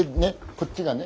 こっちがね